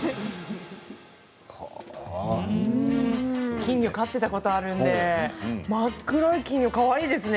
金魚を飼っていたことがあるので真っ黒い金魚は、かわいいですね。